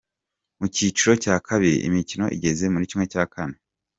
Mu cyiciro cya kabiri, imikino igeze muri ¼.